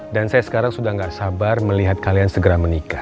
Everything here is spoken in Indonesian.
dan saya sekarang sudah gak sabar melihat kalian segera menikah